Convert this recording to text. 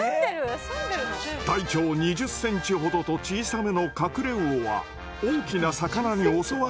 体長２０ｃｍほどと小さめのカクレウオは大きな魚に襲われやすい。